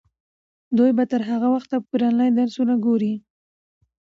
دوی به تر هغه وخته پورې انلاین درسونه ګوري.